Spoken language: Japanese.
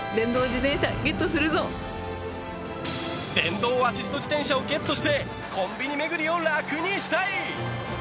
電動アシスト自転車をゲットしてコンビニ巡りを楽にしたい！